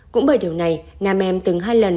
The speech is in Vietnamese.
cũng bởi điều này nam em từng hai lần